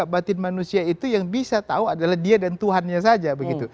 batin manusia itu yang bisa tahu adalah dia dan tuhannya saja begitu